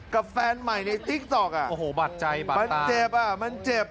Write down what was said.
แฟนใหม่ในติ๊กต๊อกอ่ะโอ้โหบัตรใจไปมันเจ็บอ่ะมันเจ็บ